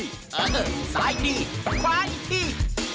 เอ้อเฮ่ยซ้ายที่ขวานที่